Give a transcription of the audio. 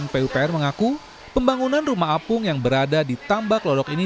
pupr mengaku pembangunan rumah apung yang berada di tambak lolok ini